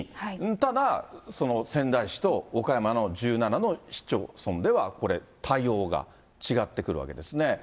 ただ、仙台市と岡山の１７の市町村ではこれ、対応が違ってくるわけですね。